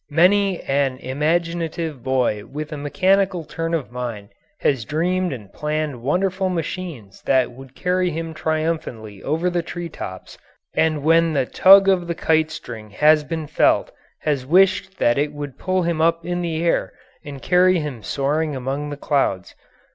Many an imaginative boy with a mechanical turn of mind has dreamed and planned wonderful machines that would carry him triumphantly over the tree tops, and when the tug of the kite string has been felt has wished that it would pull him up in the air and carry him soaring among the clouds.